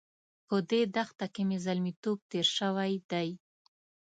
په دې دښته کې مې زلميتوب تېر شوی دی.